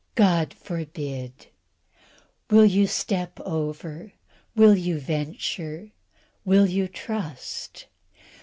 God forbid! Will yon step over? Will you venture? Will you trust?